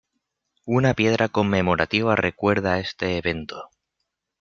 Una piedra conmemorativa recuerda este evento.